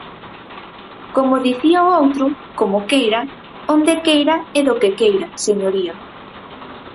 Como dicía o outro: como queira, onde queira e do que queira, señoría.